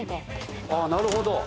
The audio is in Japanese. あなるほど。